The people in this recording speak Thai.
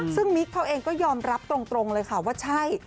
ซึ่งมิ๊กเขาเองก็ยอมรับตรงเลยค่ะว่าใช่